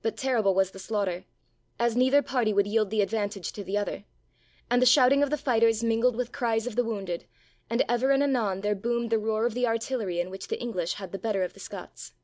But terrible was the slaughter, as neither party would yield the advantage to the other; and the shouting of the fighters mingled with cries of the wounded, and ever and anon there boomed the roar of the artillery in the which the English had the better of the Scots.